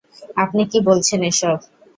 আপনি কী বলছেন এসব?